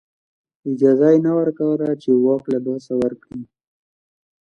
اجازه یې نه ورکوله چې واک له لاسه ورکړي.